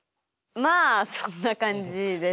まあそんな感じです。